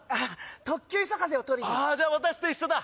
特急いそかぜを撮りにああじゃあ私と一緒だ